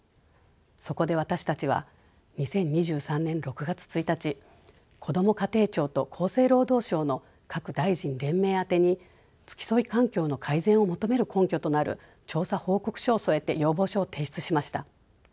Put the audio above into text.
そこで私たちは２０２３年６月１日こども家庭庁と厚生労働省の各大臣連名宛てに付き添い環境の改善を求める根拠となる調査報告書を添えて要望書を提出しました。